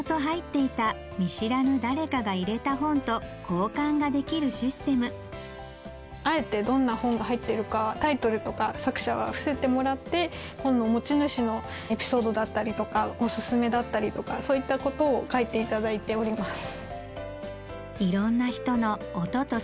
自分が持って来たシステムあえてどんな本が入っているかタイトルとか作者は伏せてもらって本の持ち主のエピソードだったりとかオススメだったりとかそういったことを書いていただいております。